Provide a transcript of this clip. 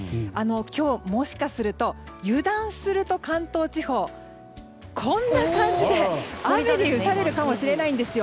今日、もしかすると油断すると関東地方こんな感じで雨に打たれるかもしれないんですよ。